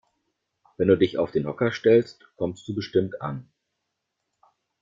Wenn du dich auf den Hocker stellst, kommst du bestimmt an.